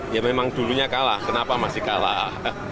ya memang dulunya kalah kenapa masih kalah